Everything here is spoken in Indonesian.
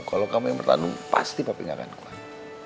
kalau kamu yang bertanding pasti papi gak akan kuat